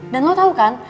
dan lo tau kan